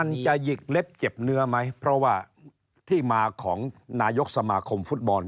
มันจะหยิกเล็บเจ็บเนื้อไหมเพราะว่าที่มาของนายกสมาคมฟุตบอล